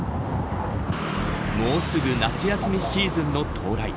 もうすぐ夏休みシーズンの到来。